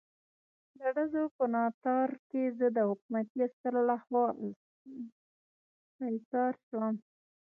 د ډزو په ناتار کې زه د حکومتي عسکرو لخوا اسیر شوم.